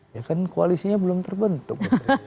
ya kan koalisinya belum terbentuk